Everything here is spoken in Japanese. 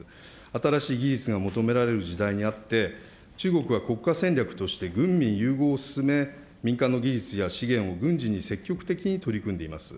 新しい技術が求められる時代にあって、中国は国家戦略として、軍民融合を進め、民間の技術や資源を軍事に積極的に取り組んでいます。